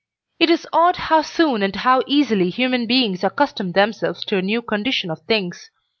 It is odd how soon and how easily human beings accustom themselves to a new condition of things.